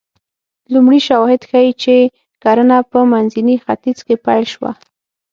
لومړي شواهد ښيي چې کرنه په منځني ختیځ کې پیل شوه